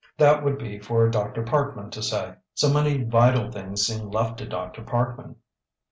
That would be for Dr. Parkman to say; so many vital things seemed left to Dr. Parkman.